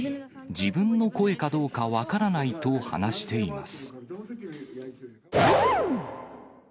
自分の声かどうか分からないと話しています。